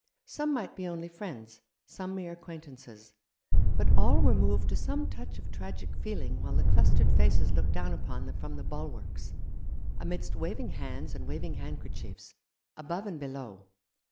Some might be only friends, some mere acquaintances ; but all were moved to some touch of tragic feeling while the clustered faces looked down upon them from the bulwarks, amidst waving hands and waving handkerchiefs, above and below.